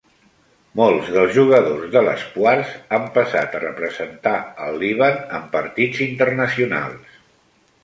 Molts dels jugadors de l'Espoirs han passat a representar el Líban en partits internacionals.